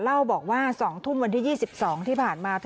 เล่าบอกว่า๒ทุ่มวันที่๒๒ที่ผ่านมา